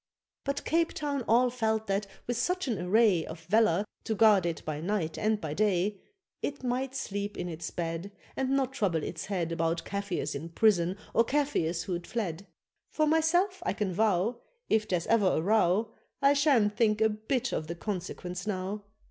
But Cape Town all felt that, with such an array Of valour to guard it by night and by day, It might sleep in its bed, And not trouble its head About Kafirs in prison, or Kafirs who'd fled. For myself I can vow, If there's ever a row, I sha'n't think a bit of the consequence now.